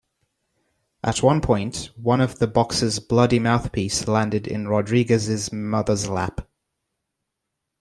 At one point, one of the boxers' bloody mouthpiece landed in Rodriguez's mother's lap.